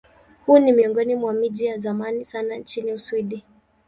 Huu ni miongoni mwa miji ya zamani sana nchini Uswidi.